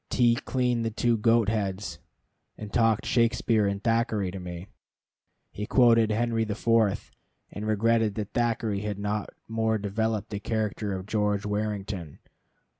T cleaned the two goat heads, and talked Shakspere and Thackeray to me. He quoted Henry the Fourth, and regretted that Thackeray had not more developed the character of George Warrington.